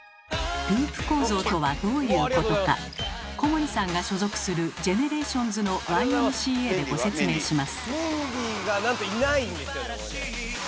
ループ構造とはどういうことか小森さんが所属するＧＥＮＥＲＡＴＩＯＮＳの「Ｙ．Ｍ．Ｃ．Ａ．」でご説明します。